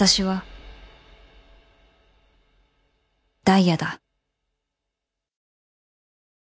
「ダイヤだ」